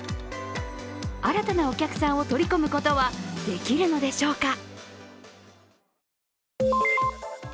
新たなお客さんを取り込むことはできるのでしょうか。